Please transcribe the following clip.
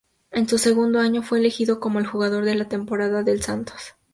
En su segundo año, fue elegido como el jugador de la temporada del Santos.